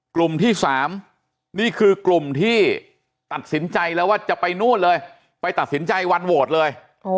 กลุ่มที่๓นี่คือกลุ่มที่ตัดสินใจแล้วว่าจะไปนู่นเลยไปตัดสินใจวันโหวตเลย